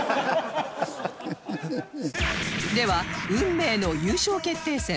では運命の優勝決定戦